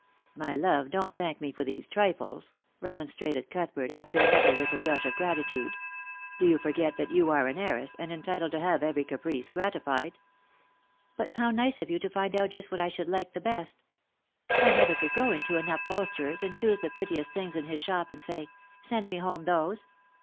" My love, don't thank me for these trifles," remonstrated Cuth bert, after another little gush of gratitude. " Do you forget that you are an heiress, and entitled to have every caprice gratified ?"" But how nice of you to find out just what I should like the best ! I never could go into an upholsterer's and choose the prettiest things in his shop and say, ' Send me home those.'